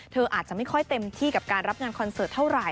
เธออาจจะไม่ค่อยเต็มที่กับการรับงานคอนเสิร์ตเท่าไหร